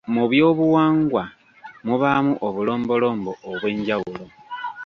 Mu by'obuwangwa mubaamu obulombolombo obw'enjawulo